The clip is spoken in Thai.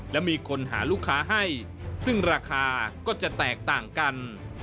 และมีคนหาลูกค้าให้ซึ่งราคาก็จะแตกต่างกัน